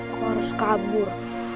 aku harus kabur